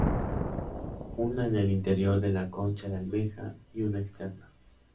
Una en el interior de la "concha de almeja" y una externa.